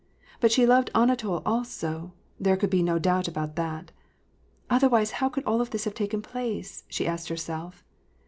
But she loved Anatol also, there could be no doubt about that. " Otherwise, how could all this have taken place ?" she asked herself.